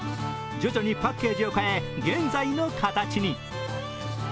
徐々にパッケージを変え現在の形に。